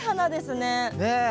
ねえ。